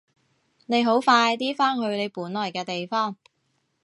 你好快啲返去你本來嘅地方！